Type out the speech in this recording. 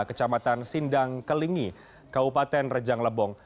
kecamatan sindang kelingi kabupaten rejang lebong